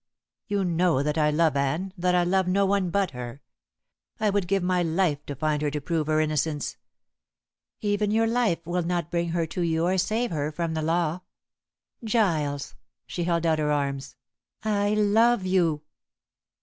You know that I love Anne, that I love no one but her. I would give my life to find her to prove her innocence." "Even your life will not bring her to you or save her from the law. Giles" she held out her arms "I love you."